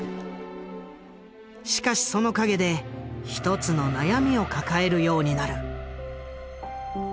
しかしその陰で１つの悩みを抱えるようになる。